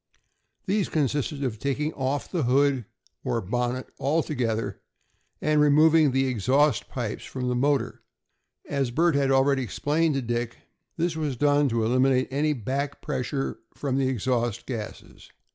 These consisted in taking off the hood, or bonnet, altogether, and removing the exhaust pipes from the motor. As Bert had already explained to Dick, this was done to eliminate any back pressure from the exhaust gases.